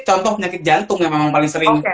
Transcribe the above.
contoh penyakit jantung yang memang paling sering